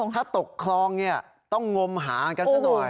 ถ้าตกคลองต้องงมหากันซะหน่อย